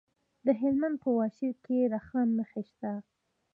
د هلمند په واشیر کې د رخام نښې شته.